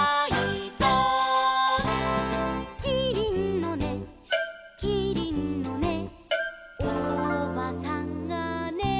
「キリンのねキリンのねおばさんがね」